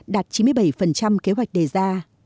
đạt chín mươi bảy kế hoạch đề ra